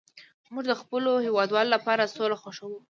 موږ د خپلو هیوادوالو لپاره سوله خوښوو